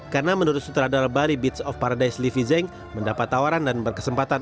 karena menurut sutradara bali beats of paradise livi zeng mendapat tawaran dan berkesempatan